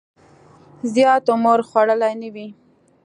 زیات عمر خوړلی نه وي.